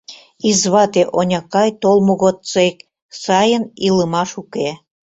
Извате онякай толмо годсек сайын илымаш уке...